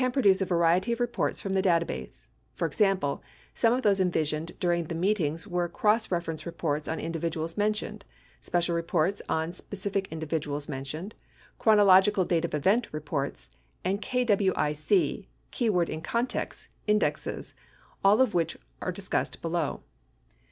pro duce a variety of reports from the data base. For example, some of those envisioned during the meetings were cross reference reports on individuals mentioned, special reports on specific individuals men tioned, chronological date of event reports, and KWIC (keyword in context) indexes, all of which are discussed below.